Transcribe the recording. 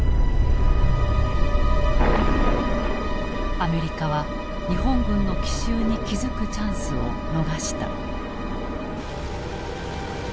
アメリカは日本軍の奇襲に気付くチャンスを逃した。